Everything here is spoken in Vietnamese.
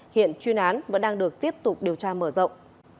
hiện chuyên án vẫn đang được tiếp tục điều tra mở rộng